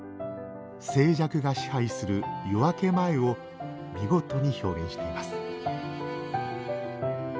静寂が支配する夜明け前を見事に表現しています